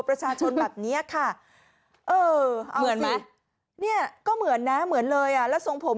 ประชาชนแบบนี้ค่ะเออเอาเหมือนไหมเนี่ยก็เหมือนนะเหมือนเลยอ่ะแล้วทรงผม